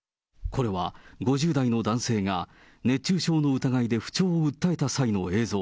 これは、５０代の男性が熱中症の疑いで不調を訴えた際の映像。